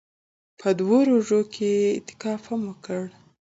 په دوو روژو کښې يې اعتکاف هم وکړ.